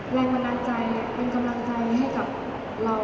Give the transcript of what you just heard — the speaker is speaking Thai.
แรงบันดาลใจเป็นกำลังใจให้กับเรา